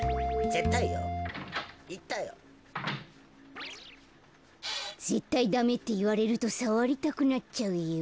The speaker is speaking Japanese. ぜったいダメっていわれるとさわりたくなっちゃうよ。